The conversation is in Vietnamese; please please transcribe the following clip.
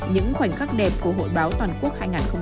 những khoảnh khắc đẹp của hội báo toàn quốc